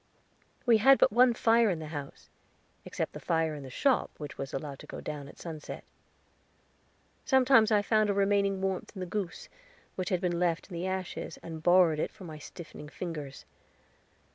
We had but one fire in the house, except the fire in the shop, which was allowed to go down at sunset. Sometimes I found a remaining warmth in the goose, which had been left in the ashes, and borrowed it for my stiffened fingers.